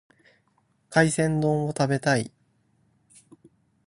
海鮮丼を食べたい。